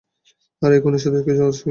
আর এই খুনের সাথে এর কী সম্পর্ক?